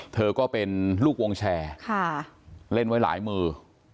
เธอก็เป็นลูกวงแชร์เล่นไว้หลายมือ